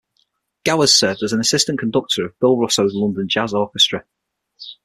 Gowers served as assistant conductor of Bill Russo's London Jazz Orchestra.